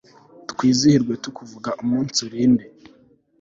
twizihirwe tukuvuga, umunsi urinde